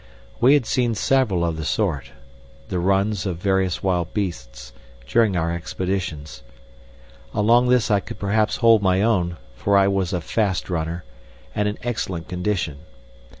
We had seen several of the sort, the runs of various wild beasts, during our expeditions. Along this I could perhaps hold my own, for I was a fast runner, and in excellent condition.